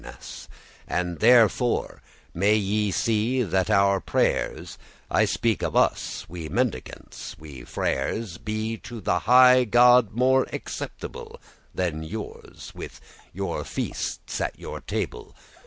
*compassion And therefore may ye see that our prayeres (I speak of us, we mendicants, we freres), Be to the highe God more acceptable Than youres, with your feastes at your table.